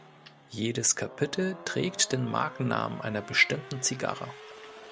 Jedes Kapitel trägt den Markennamen einer bestimmten Zigarre.